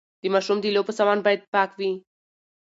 د ماشوم د لوبو سامان باید پاک وي۔